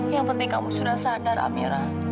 yang penting kamu sudah sadar amera